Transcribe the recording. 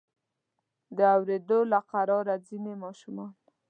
د اوریدو له قراره ځینې ماشومانو.